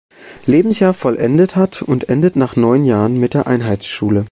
Lebensjahr vollendet hat und endet nach neun Jahren mit der Einheitsschule.